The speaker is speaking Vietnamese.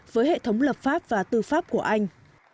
với hệ thống lập pháp và tư pháp của anh